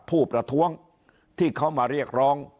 ผู้ประท้วงที่เขามาเรียกร้อง